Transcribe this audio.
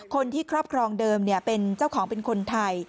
ครอบครองเดิมเป็นเจ้าของเป็นคนไทย